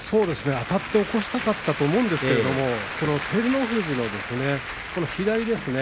あたって起こしたかったと思うんですが照ノ富士の左ですね。